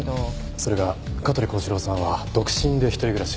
それが香取孝史郎さんは独身で一人暮らし。